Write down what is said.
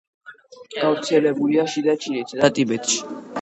გავრცელებულია შიდა ჩინეთსა და ტიბეტში.